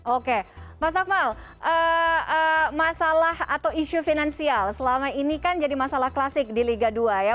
oke mas akmal masalah atau isu finansial selama ini kan jadi masalah klasik di liga dua ya